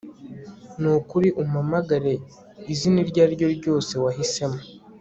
Nukuri umpamagare izina iryo ari ryo ryose wahisemo